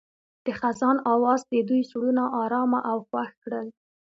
د خزان اواز د دوی زړونه ارامه او خوښ کړل.